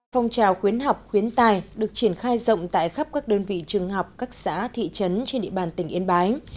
phong trào khuyến học khuyến tài được triển khai rộng tại khắp các đơn vị trường học các xã thị trấn trên địa bàn tỉnh yên bái